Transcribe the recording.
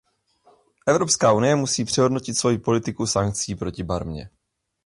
Evropská unie musí přehodnotit svoji politiku sankcí proti Barmě.